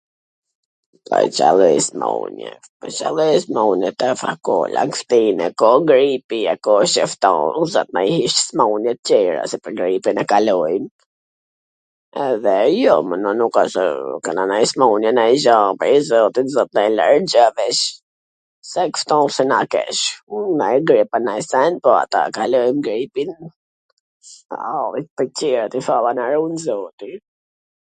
lloj Ca lloj smun-je? Po Ca lloj smun-je? tefa koh lagshti, me koll gripi, po isha ftohur... smun-je tjera se pwr gripn e kalojm, edhe jo mor nuk asht se kena nanj smunje, nanj gja, po zotit ... nanj grip, a nanj send, po ata kalojn gripin, o, tw tjerat ishalla na run zoti.